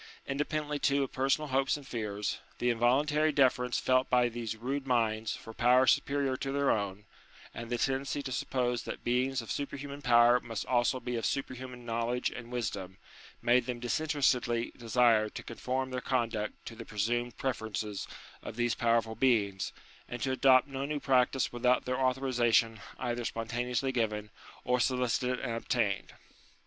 Independently, too, of personal hopes and fears, the involuntary deference felt by these rude minds for power superior to their own, and the tendency to suppose that beings of superhuman power must also be of superhuman knowledge and wisdom, made them disinterestedly desire to conform their conduct to the presumed preferences of these powerful beings, and to adopt no new practice without their authorization either spontaneously given, or solicited and obtained.